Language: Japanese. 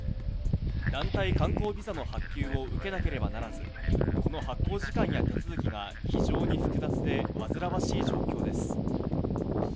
団体観光ビザの発給を受けなければならず、この発行時間や手続きが非常に複雑で、煩わしい状況です。